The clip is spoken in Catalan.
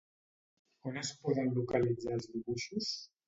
On es poden localitzar els dibuixos?